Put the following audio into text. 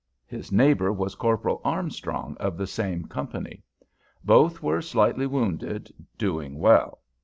His neighbor was Corporal Armstrong of the same Company. Both were slightly wounded, doing well.